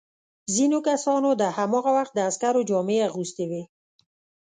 ځینو کسانو د هماغه وخت د عسکرو جامې اغوستي وې.